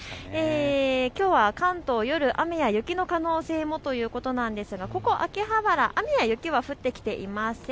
きょうは関東、夜、雨や雪の可能性も、ということなんですがここ秋葉原、雨や雪は降ってきていません。